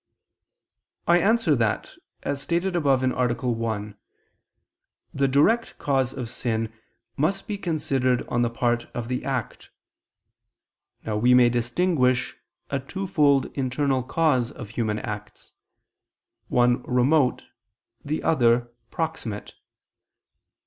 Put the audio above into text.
I answer that, As stated above (A. 1), the direct cause of sin must be considered on the part of the act. Now we may distinguish a twofold internal cause of human acts, one remote, the other proximate.